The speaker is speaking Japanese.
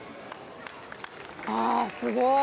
あすごい。